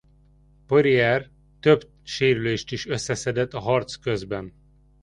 Poirier több sérülést is összeszedett a harc közben.